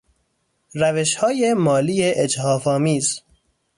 روشهای مالی اجحافآمیز